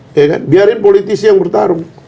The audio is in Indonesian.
ya kan biarin politisi yang bertarung